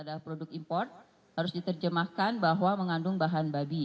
adalah produk import harus diterjemahkan bahwa mengandung bahan babi